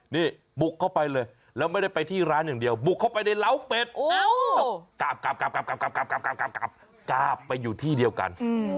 นี่บุกเข้าไปเลยแล้วไม่ได้ไปที่ร้านอย่างเดียวบุกเข้าไปในร้าวเป็ดกราบกราบไปอยู่ที่เดียวกัน